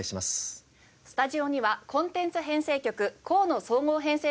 スタジオにはコンテンツ編成局河野総合編成